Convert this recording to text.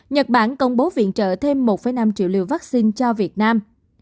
nhật bản công bố viện trợ thêm một năm triệu liều vaccine cho việt nam